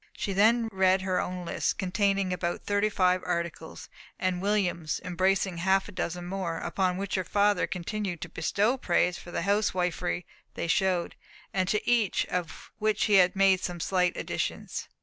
She then read her own list, containing about thirty five articles, and William's, embracing half a dozen more; upon which her father continued to bestow praise for the house wifery they showed, and to each of which he made some slight additions.